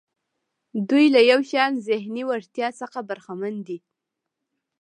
دوی له یو شان ذهني وړتیا څخه برخمن دي.